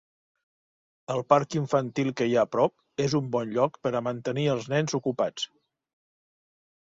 El parc infantil que hi ha a prop és un bon lloc per a mantenir als nens ocupats.